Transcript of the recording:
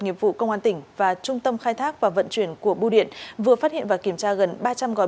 nghiệp vụ công an tỉnh và trung tâm khai thác và vận chuyển của bưu điện vừa phát hiện và kiểm tra gần ba trăm linh gói